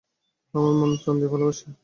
আমার মন প্রাণ দিয়ে ভালোবাসি।